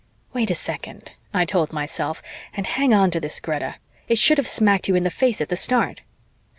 "Wait a second," I told myself, "and hang onto this, Greta. It should have smacked you in the face at the start."